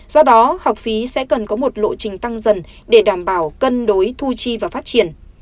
do đó học phí sẽ cần có một lộ trình tăng dần để đảm bảo cân đối thu chi và phát triển